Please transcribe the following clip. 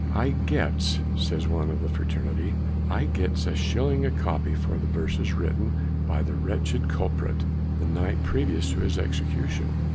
"I gets," says one of the fraternity, "I gets a shilling a copy for the verses written by the wretched culprit the night previous to his execution."